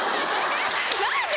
何で？